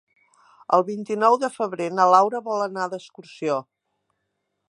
El vint-i-nou de febrer na Laura vol anar d'excursió.